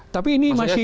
tapi ini masih